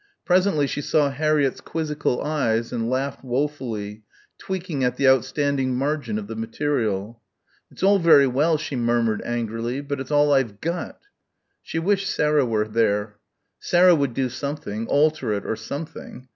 Presently she saw Harriett's quizzical eyes and laughed woefully, tweaking at the outstanding margin of the material. "It's all very well," she murmured angrily, "but it's all I've got." ... She wished Sarah were there. Sarah would do something, alter it or something.